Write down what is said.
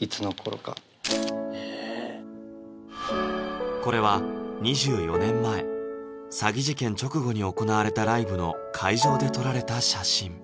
いつの頃かへぇこれは２４年前詐欺事件直後に行われたライブの会場で撮られた写真